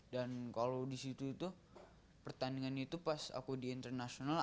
dan kalau di situ pertandingan itu pas aku di internasional